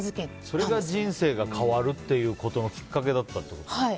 それが人生が変わるってことのきっかけだったってことですか。